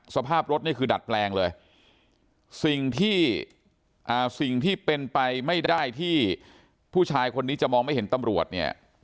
สภาพรถนี่คือดัดแปลงเลยสิ่งที่สิ่งที่เป็นไปไม่ได้ที่ผู้ชายคนนี้จะมองไม่เห็นตำรวจเนี่ย